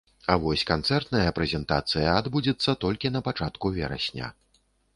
А вось канцэртная прэзентацыя адбудзецца толькі на пачатку верасня.